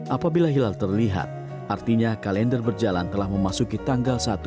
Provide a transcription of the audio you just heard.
apabila hilal terlihat artinya kalender berjalan telah memasuki tanggal satu